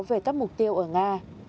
về các mục tiêu ở nga